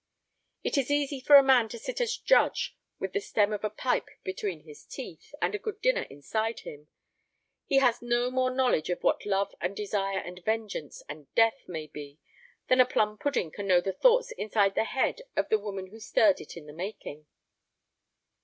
It is easy for a man to sit as judge with the stem of a pipe between his teeth and a good dinner inside him. He has no more knowledge of what love and desire and vengeance and death may be than a plum pudding can know the thoughts inside the head of the woman who stirred it in the making.